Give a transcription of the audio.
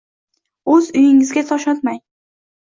O’z uyinggizga tosh otmang.